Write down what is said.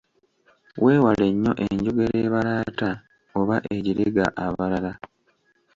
Weewale nnyo enjogera ebalaata oba ejerega abalala.